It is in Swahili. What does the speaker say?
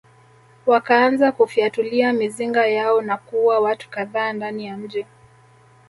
Wakaanza kufyatulia mizinga yao na kuua watu kadhaa ndani ya mji